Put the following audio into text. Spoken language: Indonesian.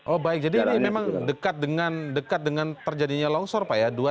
oh baik jadi ini memang dekat dengan terjadinya longsor pak ya